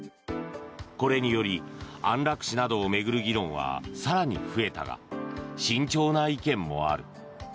これにより安楽死などを巡る議論は更に増えたが慎重な意見もある。